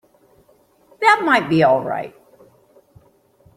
That might be all right.